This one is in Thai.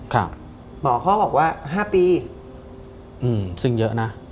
หมอเขาบอกว่า๕ปีซึ่งเยอะนะ